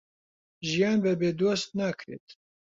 ژیان بەبێ دۆست ناکرێت